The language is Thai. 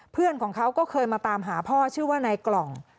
เพื่อนของเขาก็เคยมาตามหาพ่อชื่อว่านายกล่อง